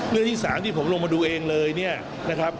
เรื่องที่สามที่ผมลงมาดูเองเลยเนี่ยนะครับ